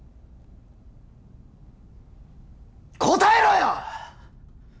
答えろよ！